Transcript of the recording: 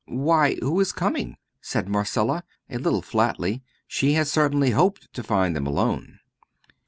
"Why, who is coming?" said Marcella, a little flatly. She had certainly hoped to find them alone.